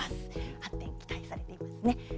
発展が期待されています。